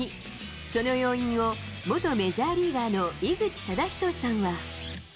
その要因を、元メジャーリーガーの井口資仁さんは。